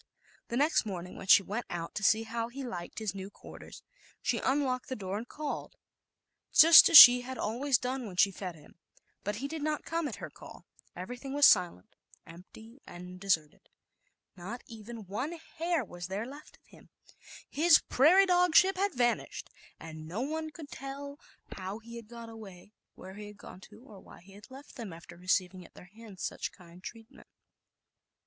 The next morning when she went out to see how he liked his new quarters, she unlocked the door and called, just as she had always done when she fed him, but he did not come at her call. Everything was silent, empty and deserted; not even one hair was there left of him. His prairie dogship had vanished, and no one could tell how he had got away, where he had gone to, or why he had left them, *<*! L. ^ L M J A\ Iw^^H Bb^^>%b/^JL^. . ^^^i ^^ fiHfJZaL .^^"^ l2*Vl> tt< 44 ZAUBERLINDA, THE WISE WITCH. after receiving at their hands such kind treatment.